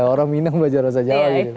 orang minang belajar bahasa jawain